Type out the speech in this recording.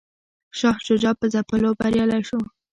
شاه شجاع په ځپلو بریالی شو.